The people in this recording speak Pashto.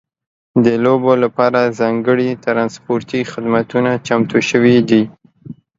د لوبو لپاره ځانګړي ترانسپورتي خدمتونه چمتو شوي دي.